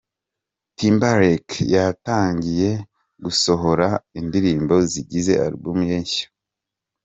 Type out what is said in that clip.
Timberlake yatangiye gusohora indirimbo zigize album ye nshya:.